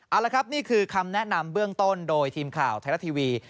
เอาละครับนี่คือคำแนะนำเบื้องต้นโดยทีมข่าวไทยรัฐทีวี